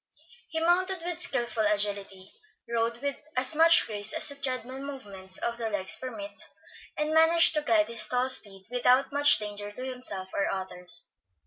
He mounted with skilful agility, rode with as much grace as the tread mill movements of the legs permit, and managed to guide his tall steed without much danger to himself or others.